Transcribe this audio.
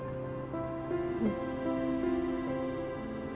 うん。